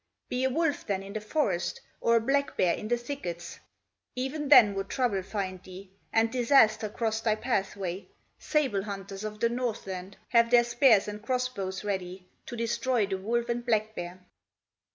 Be a wolf then in the forest, Or a black bear in the thickets? Even then would trouble find thee, And disaster cross thy pathway; Sable hunters of the Northland Have their spears and cross bows ready To destroy the wolf and black bear."